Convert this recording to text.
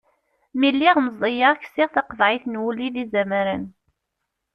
Mi lliɣ meẓẓiyeɣ, ksiɣ taqeḍɛit n wulli d yizamaren.